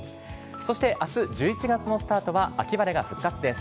そしてあす１１月のスタートは秋晴れが復活です。